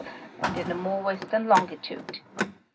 and in a more western longitude.